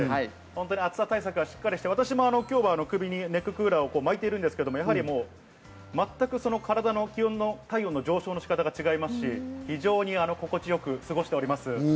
暑さ対策はしっかりして、私も今日は首にネッククーラーを巻いていますけど、全く体の気温、体温の上昇の仕方が違いますし、非常に心地よく過ごしております。